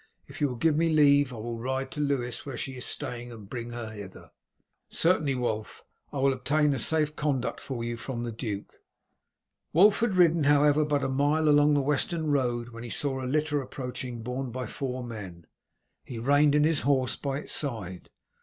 If you will give me leave I will ride to Lewes, where she is staying, and bring her hither." "Certainly, Wulf; I will obtain a safe conduct for you from the duke." Wulf had ridden, however, but a mile along the western road when he saw a litter approaching borne by four men. He reined in his horse by its side.